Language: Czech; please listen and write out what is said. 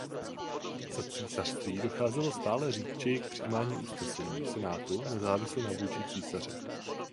Za císařství docházelo stále řidčeji k přijímání usnesení senátu nezávisle na vůli císaře.